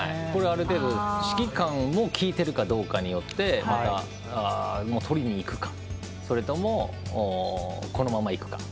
これ、ある程度指揮官も聞いてるかどうかによってまた、とりにいくかそれとも、このままいくか。